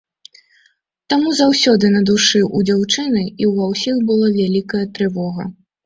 Таму заўсёды на душы ў дзяўчыны і ва ўсіх была вялікая трывога.